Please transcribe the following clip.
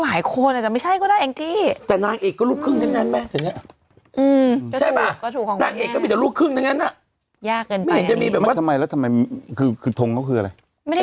ว่าเมย์น้องพี่หลุกครึ่งเหรอใครวะ